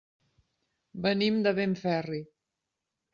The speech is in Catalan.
Venim de Benferri.